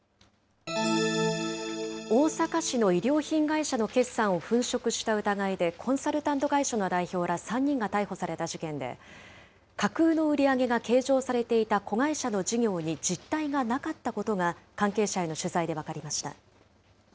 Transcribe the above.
大阪市の衣料品会社の決算を粉飾した疑いで、コンサルタント会社の代表ら３人が逮捕された事件で、架空の売り上げが計上されていた子会社の事業に実態がなかったことが、関係者への取材で分かりました。